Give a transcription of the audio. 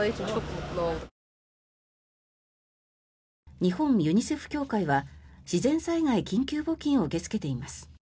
日本ユニセフ協会は自然災害緊急募金を受け付けています。